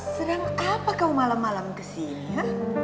sedang apa kau malam malam kesini